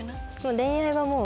恋愛はもう。